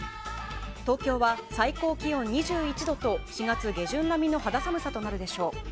東京は最高気温２１度と４月下旬並みの肌寒さとなるでしょう。